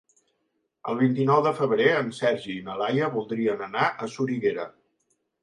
El vint-i-nou de febrer en Sergi i na Laia voldrien anar a Soriguera.